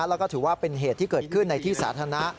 แล้วก็ถือว่าเป็นเหตุที่เกิดขึ้นในที่สาธารณะ